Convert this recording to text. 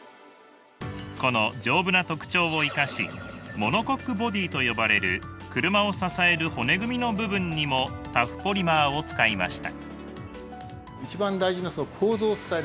この丈夫な特徴を生かしモノコックボディと呼ばれる車を支える骨組みの部分にもタフポリマーを使いました。